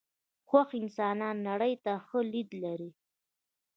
خوښ انسانان نړۍ ته ښه لید لري .